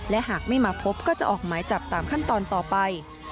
และหากไม่มาพบก็จะออกหมายจับตามขั้นตอนต่อไป